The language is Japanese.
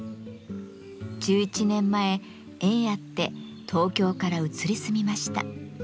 １１年前縁あって東京から移り住みました。